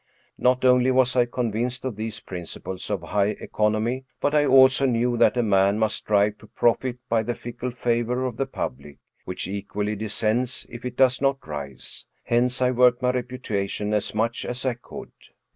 Not only was I convinced of these principles of high economy, but I also knew that a man must strive to profit by the fickle favor of the public, which equally descends if it does not rise. Hence I worked my reputation as much as I could.